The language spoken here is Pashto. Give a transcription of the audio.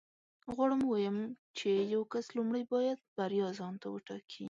غواړم ووایم چې یو کس لومړی باید بریا ځان ته وټاکي